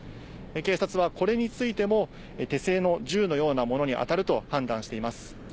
警察はこれについても、手製の銃のようなものに当たると判断しています。